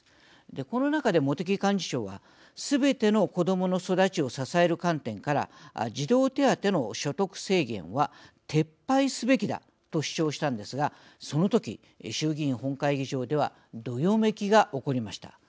この中で茂木幹事長は「すべての子どもの育ちを支える観点から児童手当の所得制限は撤廃すべきだ」と主張したんですがその時衆議院本会議場ではどよめきが起こりました。